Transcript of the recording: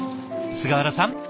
菅原さん